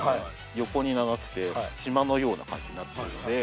横に長くて島のような感じになってるので。